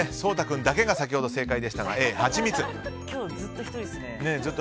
君だけが先ほど正解でしたが今日、ずっと１人ですね。